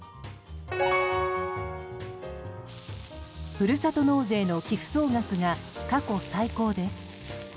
ふるさと納税の寄付総額が過去最高です。